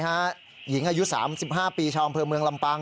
หญิงอายุ๓๕ปีชาวอำเภอเมืองลำปาง